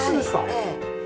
ええ。